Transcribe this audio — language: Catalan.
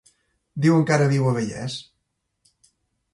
Diuen que ara viu a Vallés.